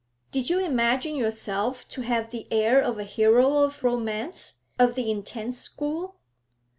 Did you imagine yourself to have the air of a hero of romance, of the intense school?'